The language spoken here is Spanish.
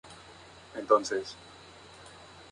Entonces tomó el cargo la Dra.